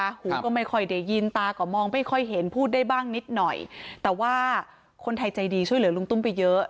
หูก็ไม่ค่อยได้ยินตาก็มองไม่ค่อยเห็นพูดได้บ้างนิดหน่อยแต่ว่าคนไทยใจดีช่วยเหลือลุงตุ้มไปเยอะ